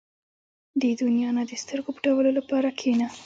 • د دنیا نه د سترګو پټولو لپاره کښېنه.